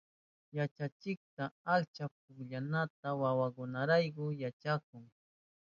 Yachachikka achka pukllanata wawakunarayku yachahun.